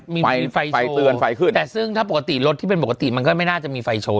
มีไฟไฟเตือนไฟขึ้นแต่ซึ่งถ้าปกติรถที่เป็นปกติมันก็ไม่น่าจะมีไฟโชว